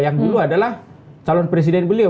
yang dulu adalah calon presiden beliau